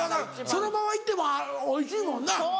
そのまま行ってもおいしいもんなフィルムを。